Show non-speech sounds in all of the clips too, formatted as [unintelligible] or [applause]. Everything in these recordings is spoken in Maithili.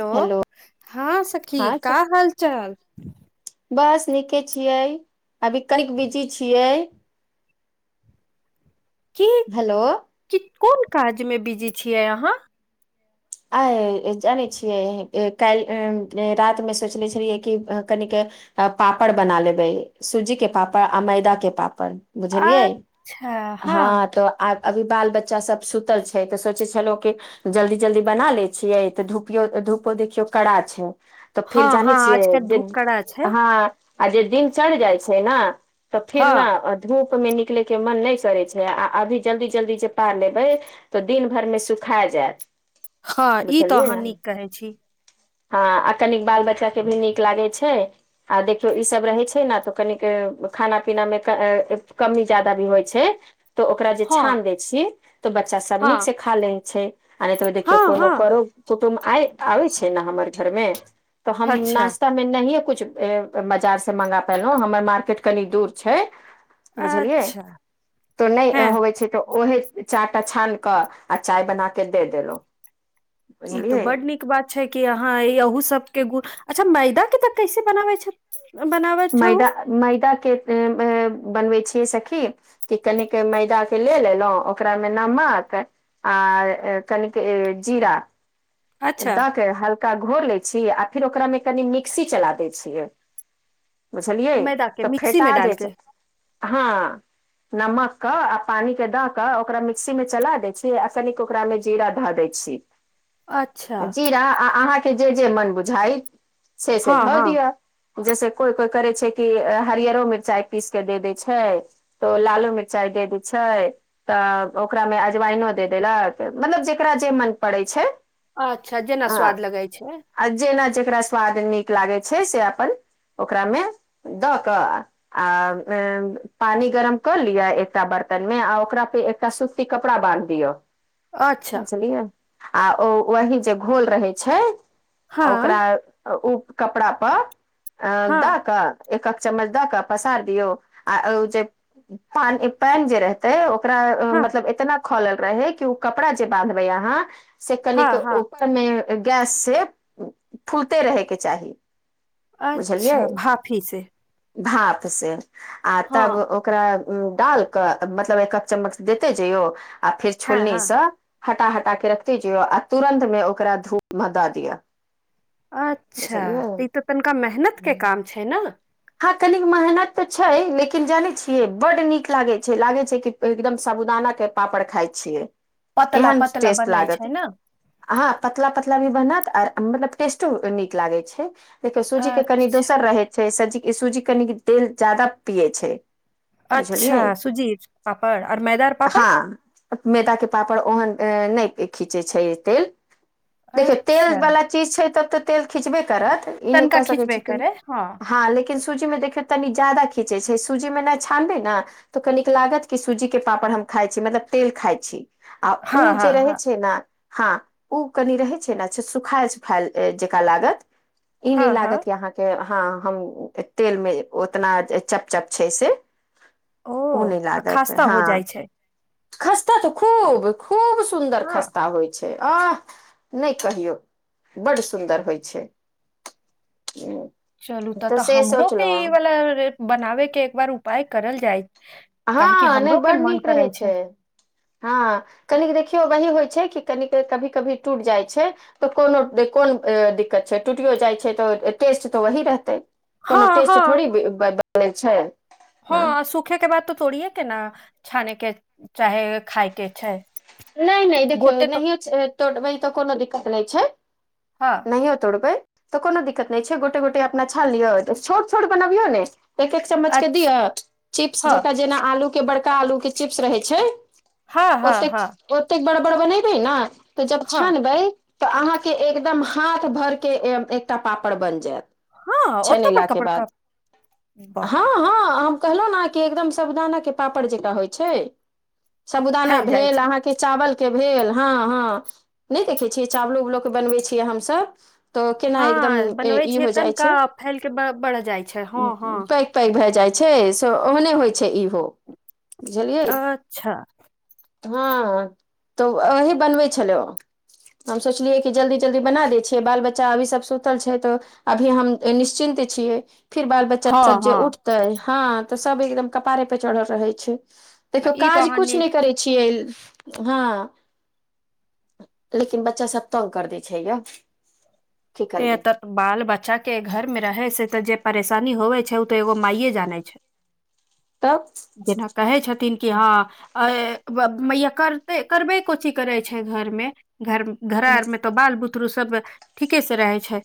हेलो हँ सखी हँ का स- हाल चाल बस नीके छियै अभी कनिक बिजी छियै की हेलो कि कोन काज मे बिजी छियै अहाँ आइ जानै छियै कैल रातमे सोचनेै छलियै कि कनिक अ पापड़ बना लेबै सूजी के पापड़ आ मैदाक के पापड़ बुझलियै हँ तऽ आ अभी बाल बच्चा सब सुतल छै तऽ सोचे छलहु कि जल्दी जल्दी बना लै छियै तऽ धूपियो धूपो देखियौ कड़ा छै तऽ फिर हँ जानै हँ छियै आजकल जे धूप कड़ा छै अहाँ आ जे दिन चढ़ जाय छै ने तऽ फिर हँ ने धूप में निकलै के मन नै छै करै छै आ अभी जल्दी जल्दी जे पार लेबै तऽ दिन भरमे सुखा जायत हँ ई तऽ बतलियै अहाँ न नीक कहै छी हँ आ कनी बाल बच्चा के भी नीक लागै छै आ देखियौ ई सब रहै छै ने तऽ कनिक खाना पीनामे कमी जादा भी होइ छै तऽ ओकरा जे हँ छान देै छी त बच्चा सब हँ नीक से खा लै छै आ नै तऽ देखियौ हँ कोनो हँ करो कुटुम्ब आ आबै छै ने हमर घरमे तऽ हम अच्छा नाश्ता मे नहिए कुछ बाजार से मंगा पेलौ हमर मार्केट कनि दूर छै अच्छा नै हैं होबे छै तऽ ओहे चाह टा छान कऽ आ चाय बना के दे देलौ ई तो बड नीक बात छै कि अहाँ अहू सबके गुड़ अच्छा मैदा के तऽ कैसे बनाबै छै बनाबै छहु मैदा मैदा के बनबै छियै सखी कि कनिक मैदा के ले लेलौ ओकरा मे नमक आ कनिक जीरा अच्छा द के हल्का घोर लै छी आ फिर ओकरामे कनि मिक्सी चला दै छियै बुझलियै मैदा के तऽ मिक्सी फेटा मे डाल जाय के छै हँ नमक के आ पानी के द के ओकरा मिक्सी में चला दै छी आ कनिक ओकरा में जीरा धऽ देै छी [inaudible] जीरा आ अहाँके जे जे मन बुझाय‌ य से से हँ धऽ हँ दिअ जैसे कोइ कोइ करै छै कि हरियरो मिरचाइ पीस के दे देै छै तो लालू मिरचाइ दे दै छै तऽ ओकरामे अजवाइनो दे देलक मतलब जेकरा जे मन पड़ै छै अच्छा जेना हँ स्वाद लगै छै आ जेना जेकरा स्वाद नीक लागै छै से अपन ओकरामे दऽ कऽ आ [unintelligible] पानी गरम कऽ लिअ एकटा बर्तन मे आ ओकरा पे एकटा सुस्ती कपड़ा बान्ध दियौ अच्छा बुझलियै आ ओ वही जे घोल रहै छै आ हाँ ओकरा ओ कपड़ा पर अ द हाँ कऽ एकह चम्मच द क पसार दियौ आ ओ जे पानी पैन जे रहतै‌ओ ओकरा हाँ मतलब इतना खोलल रहे क उ कपड़ा जे बानधबे अहाँ से कनी के हाँ हाँ ओ मे गैस से फूलते रहे के चाही अच्छा बुझलियै भाफी से भाप से आ हाँ तब ओ ओकरा डाल कऽ मतलब एक आद चम्मच देते जैयौ आ फेर हाँ हाँ छोलनीसँ हटा हटा के रखते जइयो आ तुरन्त में ओकरा धूप मे दऽ दियौ अच्छा तऽ ई तऽ तनिका मेहनत के काम छै न हँ कनिक मेहनत तऽ छै लेकिन जाने छिये बड नीक लागे छै लागे छै कि एकदम साबुदाना के पापड़ खाय छियै पतला एहन पतला टेस्ट बनै लागत छै ने हँ पतला पतला भी बनत आर मतलब टेस्टो नीक लागै छै सूजी के कनि अच्छा दोसर रहै छै सजी सूजी कनि तेल जदा पियै छै अच्छा बुझलियै सुजी पापड़ आओर मैदा पापड़ हँ मैदा के पापड़ ओहन नहि खीचे छै तेल देखियौ तेल अच्छा बाला तब तऽ तेल खीचबे करत ई नहि तनिका क सक खिचबे छी करे हाँ लेकिन सूजी मे देखियौ तनी ज्यादा खीचे छै सूजी मे नहि छानबे ने तऽ कनिक लागत कि सूजी के पापड़ हम खाइ छी मतलब तेल खाइ छीये आ हाँ ऊ जे हाँ रहै हाँ छै ने हँ ओ कनि रहै छै ने अच्छा सुखाल सुखायल जेकरा लागत ई नहि हाँ लागत हाँ अहाँके हँ हम तेल मे उतना चप चप छै से ओ ऊ नहि आ लागत खास्ता हँ हो जाइ छै खस्ता तऽ खूब खूब सुन्दर हाँ खस्ता होइ छै आ नहि कहियौ बड सुन्दर होइ छै। ह [inaudible] चलू तऽ तऽ हमरो के ई वला बनाबे के एक बार उपाय करल जाय। काहेकि हँ नहि हमरो के बड मन नीक रहे करै छै हँ। कनि देखियौ वही होइ छै कि कनिक कभी कभी टूट जाइ छै तऽ कोनो कोन दिक्कत छै टूटियो जाइ छै तऽ टेस्ट तऽ वही रहतै। कोनो हाँ टेस्ट हाँ थोड़ी बने छै हँ सूखे के बाद तऽ तोड़िये के ने छाने के चाहे खायके छै नहि नहि देखियौ गोटे तो नहियो वी तौरबे तऽ कोनो दिक्कत नहि छै हँ। नहियो तोड़बै तऽ कोनो दिक्कत नहि छै गोटे गोटे अपना छान लियौ छोट छोट बनाबियौ ने एक एक चम्मच के अच्छा दियो चिप्स हाँ जक जेना आलू के बड़का आलू के चिप्स रहै छै हाँ हाँ ओतेक हाँ ओतेक बड़ बड़ बनेबै ने तऽ जब हाँ छानबै। तऽ अहाँके एकदम हाथ भर कऽ एकटा पापड़ बनि जायत। हाँ ओतऽ छनेला बड़का के बाद बड़का वाह हँ हँ [inaudible] चावल फैल जाइ छै के भेल हँ हँ नहि देखै छियै चावलो के बनबै छियै हमसब तऽ केना एकदम हाँ बनबै ई छियै हो जाइ तनिका छै फैल के ब- बढ़ जाइ छै हाँ हाँ [inaudible] पैघ भए जाइ छै से ओहने होइ छै इहो बुझलियै अच्छा हँ तऽ वही बनबै छलै हम सोचलियै कि जल्दी जल्दी बना दै छियै बाल बच्चा अभी सब सुतल छै अभी हम निश्चिन्त छियै फिर बाल बच्चा हाँ सब जे हाँ उठते हँ तऽ सब एकदम कपारे पे चढ़ल रहे छै देखियो ई तो काज अहाँ कुछ नि नहि करै छियै। हँ लेकिन बच्चा सब तंग कर दै छै गे ए एत बाल बच्चा के घर में रहे छै ते जे परेशानी होवे छै ते एगो माइये जाने छै [unintelligible] तब छै जेना कहै छथिन कि हँ हे मैया करते करबे को चीज करै छै घरमे घर घड़र में तऽ बाल बुतरु सब ठीके से रहे छै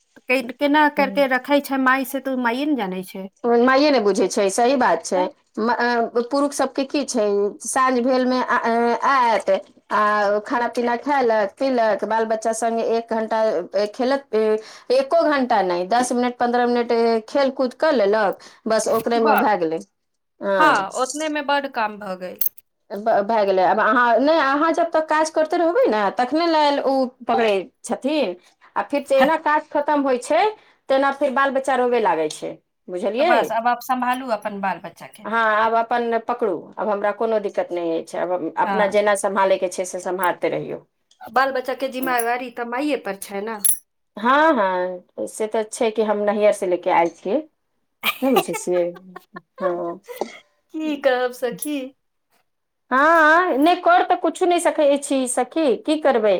केना हूँ। करके र खै छै माय से तऽ ओ मायए न जानै छै माए न बुझै छै सही बात छै [unintelligible] पुरुख सभ केँ की छै साँझ भेल में [unintelligible] ऐत आ खाना पीना खै लेत पीलेत बाल बच्चा संगे एक घंटा खेल कऽ एको घंटा नै दस मिनट पन्द्रह मिनट खेलकूद कऽ लेलक बस ओकरे में भै गेलै [inaudible] हऽ ओइ में बड काम भऽ गई [unintelligible] भै गेलै आब अहाँ नै अहाँ जब तक काज करते रहबै न तखने लेल ओ पकड़े छथिन आ फेर जेहिना काज खतम होइ छै तेना फेर बाल बच्चा रोबे लागै छै तऽ बुझलियै बस आब आप सम्भालू अपन बाल बच्चा के [inaudible] हँ आब अपन पकरू आब हमरा कोनो दिक्कत नै ऐछ आब हँ अपना जेना सम्हालय केँ छै से सम्हारते रहियौ बाल बच्चा केँ जिम्मेवारी तऽ माए पर छै न हऽ हऽ से तऽ छै कि हम नैहर से ले केँ आएल छियै नै बुझ [unintelligible] हँ की कहब सखी हँ नै कर तऽ कुछु नै सकै छी सखी की करबै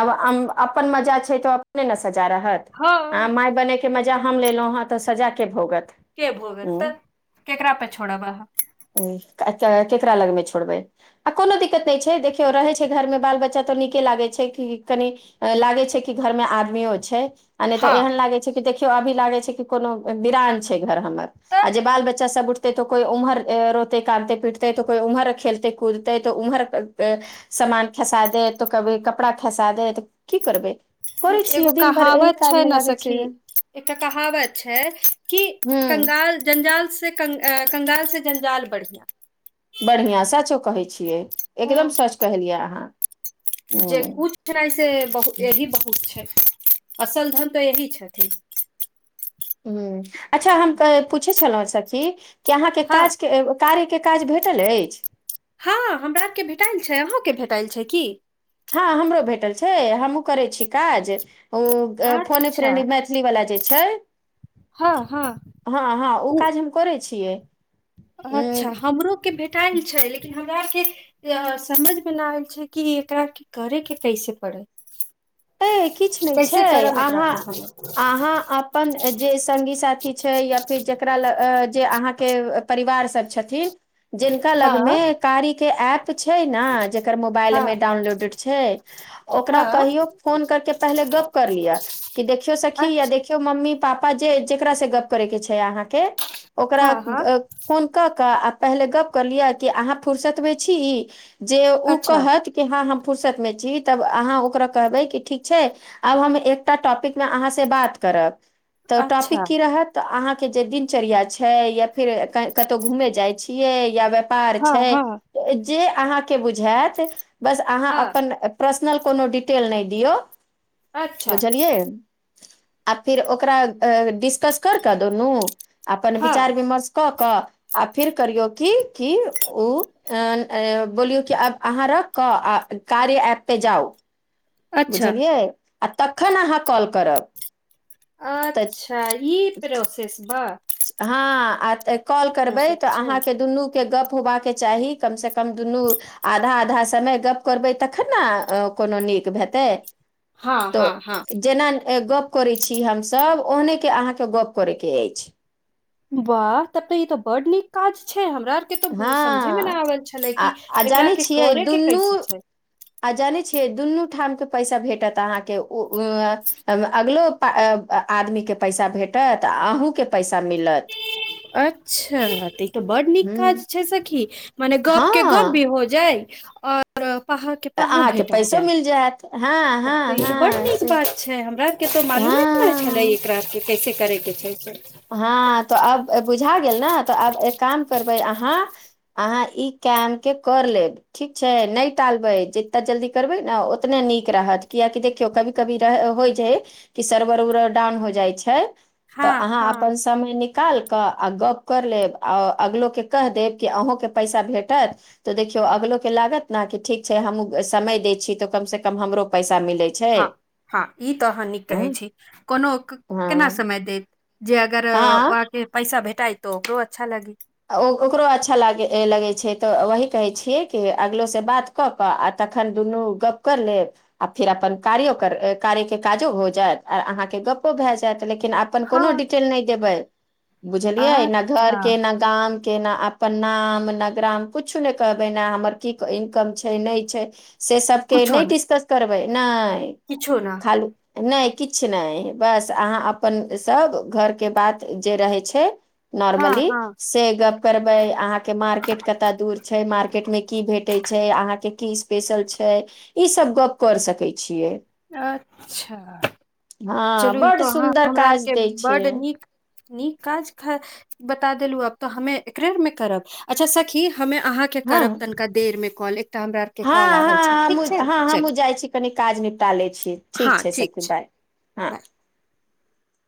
आब अम अपन मजा छै तऽ अपने न सजा रहत हँ आ माय बनै केँ मजा हम लेलौ हऽ तऽ सजा केँ भोगत केँ भोग तऽ केकरा पे छोड़ब अहाँ [unintelligible] केकरा लग में छै छोड़बै आ कोनो दिक्कत न छै देखियो रहे छै घर में बाल बच्चा तऽ नीके लागे छै कि कनि लागे छै कि घर में आदमी यो छै आ नै तऽ हँ एहन लागे छै देखियो अभी लागे छै कि कोनो विरायन छै घर हमर तऽ आ जे बाल बच्चा सब उठतै तऽ कोई उम्हर रोते कानते पीटे तऽ कोई उम्हर खेलते कूदते तऽ उम्हर सामान खेसा देतऽ कभी कपड़ा खेसा देतऽ की करबै से करै छियै एगो दिन भरि एहि कहावत छै काजमे न लागै सखी छियै एकटा कहावत छै कि हूँ कंगाल जंजाल से कंगाल से जैजाल बड़ियाँ बड़ियाँ सचो कहै छियै हँ एकदम सच कहलियै अहाँ जे हूँ किछ न से बहु ऐही बहुत छै असल धन तऽ ऐही छथि हु अच्छा हम क पूछै छलौं सखी कि अहाँकेँ हँ काज केँ कार्यकेँ काज भेटल ऐछ हँ हमरा केँ भेटाइल छै अहूँकेँ भेटाइल छै की हँ हमरो भेटल छै हमहुँ करै छी काज ओ फोने अच्छा फ्रेन्ड मैथिली वला जे छै हँ हँ हँ हँ ओ काज हम करे छिये अच्छा हमरो केँ भेटाइल छै लेकिन हमरा आर केँ [unintelligible] समझ में न आइल छै कि एकरा की करे केँ कैसे पड़त ऐ किछ नै छै अहाँ के [inaudible] हमे अहाँ अप अपन जे संगी साथी छै या फिर जेकरा लऽ जे अहाँ केँ परिवार सब छथिन जिनका लग में हँ कारी केँ ऐप छै न जेकर मोबाइल हँ में डाउनलोडे छै ओकरा हँ कहियो फोन करके पहिले गप्प कर लिया कि देखियो सखी अच्छा या देखियो देखो मम्मी पापा जे जेकरा से गप करै‌ के छे अहाँ के हँ ओकरा हँ फोन क क आ पहिले गप्प कर लियअ कि अहाँ फुुरसत मे छी जे ई अच्छा कहत कि हँ हम फुुरसत में छी तब अहाँ ओकरा कहबे ठीक छे आब हम एकटा टॉपिक मे अहाँ से बात करब त अच्छा टॉपिक की रहत त अहाँ के जे दिनचर्या छे या फिर कतौ घुमे जाइ छियै या [unintelligible] हँ छै हँ जे अहाँ के बुझेत बस अहाँ हँ अपन पर्सनल कोनो डिटेल नै दियो अच्छा बुझलिये आ फिर ओकरा डिस्कस करके दुनू अपन विचार हँ विमर्श क क आ फिर करियो [unintelligible] ऊ अ बोलीयौ कि आब अहाँ रख क कार्य ऐप पे जाउ अच्छा बुझलिये आ तखन अहाँ कॉल करब तऽ अच्छा ई प्रोसेस बा हँ आ कॉल ई करबे प्रोसेस त छै अहाँ के दुनू के गप होबा के चाही कम से कम दुनू आधा आधा समय गप्प करबै तखन ने कोनो नीक भेतै हँ तो हँ हँ जेना गप करे छी हम सब ओहने के अहाँ के गप करे के अछि वाह तब त ई त बड नीक काज छै हमरा आर के तो बू समझे मे हँ नै आबल छले आ कि आ एकरा जानै के छियै करे के दुनू कैसे छै आ जाने छिये दुनू ठाम के पैसा भेटत अहाँ के ओ अगलो प आदमी के पैसा भेटत आ अहु के पैसा मिल अच्छा देखियौ बड नीक हूँ काज छै सखी मने गप के गप भी हँ हो जाय आ पाहा के पाहो अहाँके भेटा पैसो जाय मिल जायत हँ त हँ ई बड हँ नीक से बात छे हमरा के त मालूमे नै हँ छले एकरा कैसे करै के छै से हँ त आब बुझा गेल ने त आब एक काम करबे अहाँ अहाँ ई केमके कर लेब ठीक छै नै टालबै जेते जल्दी करबै ने ओतने नीक रहत कियकि देखियौ कभी कभी रहे होय छै कि सरवर [unintelligible] डॉन हो जै छै हँ हँ अपन समय निकाल कऽ आ गप कर लेब आ अगलोके कह देब कि अहूँके पैसा भेटत तऽ देखियौ अगलो के लागत ने कि ठीक छै हमहू समय दय छी तऽ कम से कम हमरो पैसा मिलैत हँ हँ ई तऽ अहाँ नीक कहै छी कोनो केना समय देत जे अगर हँ अके पैसा भेटाइ त ओकरो अच्छा लगे ओ ओकरो अच्छा लाग लगे छे त वही कहे छिये कि अगलो से बात क क आ तखन दुनू गप कर लेब आ फेर अपन कार्यो कार्य के काजो हो जायत आ अहाँ के गप्पो भे जेत लेकिन आब पर कुनो हँ डिटेल नै देबे बुझलीयै न घर अच्छा का ना गाम केना अपन नाम नगराम कछो ने कहबे ने हमर की इनकम छै नै छै से सबके कुछो नै नहि डिस्कस करबै नै किछो न खालू नै किछ नै बस अहाँ अपन सभ घरके बात जे रहै छै हँ नॉर्मली हँ से गप करबै अहाँ के मार्केट कता दूर छै मार्केट मे की भेटे छै अहाँ के की स्पेशल छै ई सब गप कर सकै छियै अच्छा हँ चलू बड तो अहाँ सुन्दर हमरा आर काज के दै छै बड नीक निक काज ख बता देलू आब तऽ हमे एकरे मे करब अच्छा सखी ह अहाँके के हँ करब तनिका देर मे कॉल एकटा हमरा आर के हँ कॉल आबै छै हँ ठीक हमूँ छै हँ हमूँ चलू जाइ छी कनि काज निपटा लै छीय ठीक छै सखी बाय हँ बाय